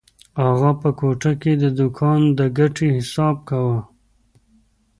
اغا په کوټه کې د دوکان د ګټې حساب کاوه.